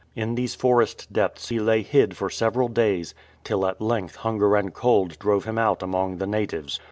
In these forest depths he lay hid for several days, till at length hunger and cold drove him out among the natives.